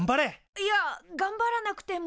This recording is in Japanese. いやがんばらなくても。